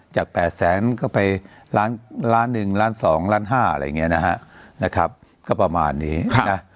จาก๘๐๐๐๐๐ก็ไปล้าน๑๒๕อะไรอย่างเงี้ยนะครับก็ประมาณนี้นะ